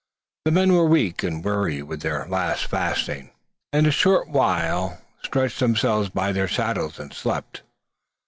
The men were weak and weary with their late fasting, and in a short while stretched themselves by their saddles and slept.